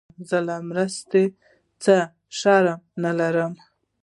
زه له مرستي څخه شرم نه لرم.